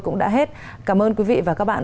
cũng đã hết cảm ơn quý vị và các bạn